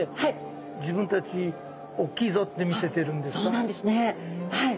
そうなんですねはい。